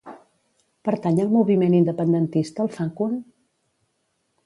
Pertany al moviment independentista el Facun?